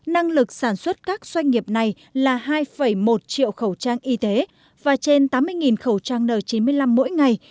năng lực sản xuất các doanh nghiệp này là hai một triệu khẩu trang y tế và trên tám mươi khẩu trang n chín mươi năm mỗi ngày